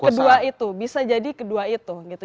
kedua itu bisa jadi kedua itu gitu